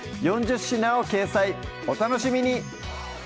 ４０品を掲載お楽しみに！